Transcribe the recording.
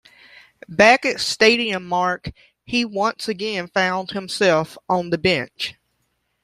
Back at Stadium mark he once again found himself on the bench.